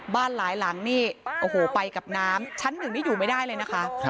หลายหลังนี่โอ้โหไปกับน้ำชั้นหนึ่งนี่อยู่ไม่ได้เลยนะคะ